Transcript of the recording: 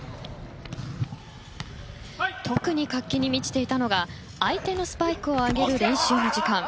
特に活気に満ちていたのが相手のスパイクを上げる練習の時間。